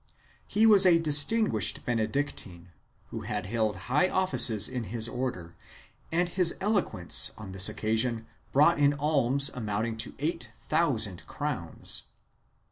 He was a distinguished Benedictine, who had held high offices in his Order, and his eloquence on this occasion brought in alms amounting to eight thousand crowns.